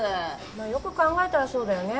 まよく考えたらそうだよね